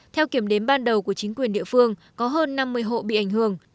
theo kiểm đếm ban đầu của chính quyền địa phương có hơn năm mươi hộ bị ảnh hưởng